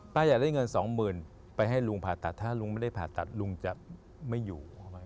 อยากได้เงินสองหมื่นไปให้ลุงผ่าตัดถ้าลุงไม่ได้ผ่าตัดลุงจะไม่อยู่